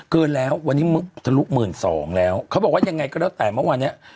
เกินแล้ววันนี้ทะลุหมื่นสองแล้วเขาบอกว่ายังไงก็แล้วแต่เมื่อวานเนี้ย